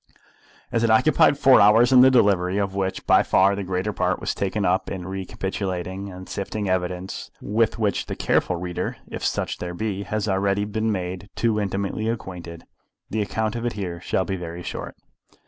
As it occupied four hours in the delivery, of which by far the greater part was taken up in recapitulating and sifting evidence with which the careful reader, if such there be, has already been made too intimately acquainted, the account of it here shall be very short.